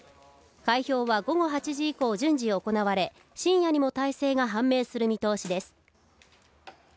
開票は午後８時以降、順次行われ、深夜にも大勢が判明する見通しです。